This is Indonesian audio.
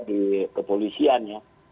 di kepolisian ya